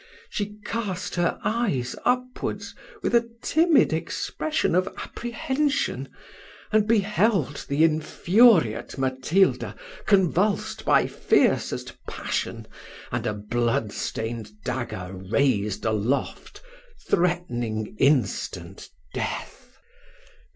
She cast her eyes upwards, with a timid expression of apprehension, and beheld the infuriate Matilda convulsed by fiercest passion, and a blood stained dagger raised aloft, threatening instant death.